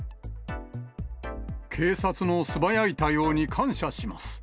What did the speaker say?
警察の素早い対応に感謝します。